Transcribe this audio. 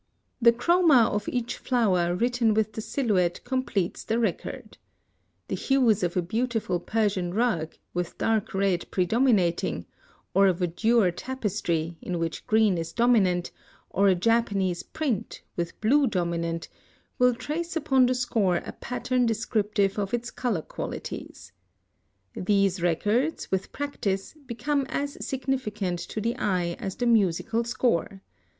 The chroma of each flower written with the silhouette completes the record. The hues of a beautiful Persian rug, with dark red predominating, or a verdure tapestry, in which green is dominant, or a Japanese print, with blue dominant, will trace upon the score a pattern descriptive of its color qualities. These records, with practice, become as significant to the eye as the musical score.